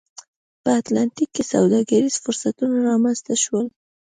په اتلانتیک کې سوداګریز فرصتونه رامنځته شول.